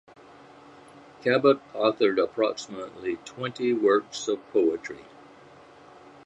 Cabot authored approximately twenty works of poetry.